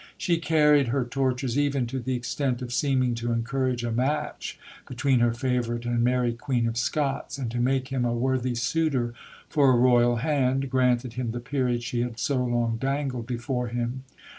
She carried her tortures even to the extent of seeming to encourage a match between her favourite and Mary Queen of Scots; and, to make him a worthy suitor for a Royal hand, granted him the peerage she had so long dangled before him.